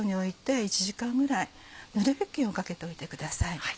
ぬれ布巾をかけておいてください。